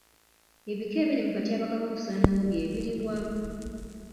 Ebika ebiri mu katyabaga k'okusaanawo bye biri wa?